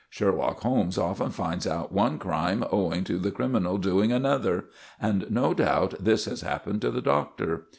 Sherlock Holmes often finds out one crime owing to the criminal doing another, and no doubt this has happened to the Doctor.